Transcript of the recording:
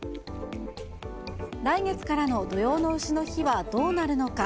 来月からの土用のうしの日はどうなるのか。